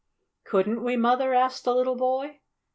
"Couldn't we, Mother?" asked the little boy.